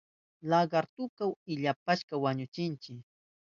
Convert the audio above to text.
Lagartutaka illapashpa wañuchinchi.